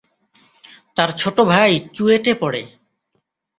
তার ছোট ভাই চুয়েটে পড়ে।